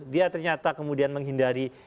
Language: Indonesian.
dia ternyata kemudian menghindari